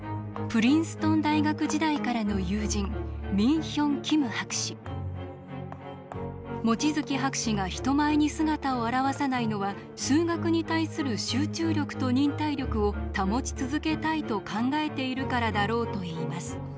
プリンストン大学時代からの友人望月博士が人前に姿を現さないのは数学に対する集中力と忍耐力を保ち続けたいと考えているからだろうといいます。